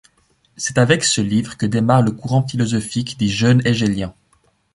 C'est avec ce livre que démarre le courant philosophique des Jeunes hégéliens.